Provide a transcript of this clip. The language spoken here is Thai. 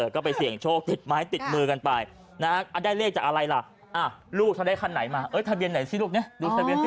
ก็ไปเสี่ยงโชคติดไม้ติดมือกันไปนะได้เลขจากอะไรล่ะลูกถ้าได้คันไหนมาทะเบียนไหนสิลูกเนี่ยดูทะเบียนสิ